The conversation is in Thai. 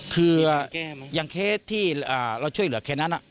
คืออย่างเคสที่เราช่วยเหลือเคสนั้น